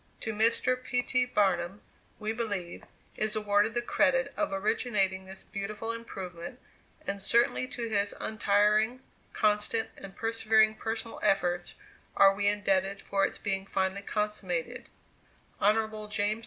To Mr. P. T. Barnum, we believe, is awarded the credit of originating this beautiful improvement, and certainly to his untiring, constant, and persevering personal efforts are we indebted for its being finally consummated. Hon.